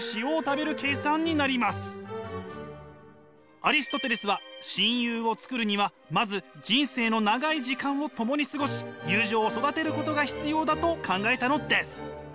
アリストテレスは親友を作るにはまず人生の長い時間を共に過ごし友情を育てることが必要だと考えたのです。